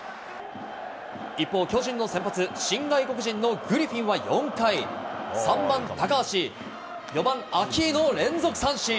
一方、巨人の先発、新外国人のグリフィンは４回、３番高橋、４番アキーノを連続三振。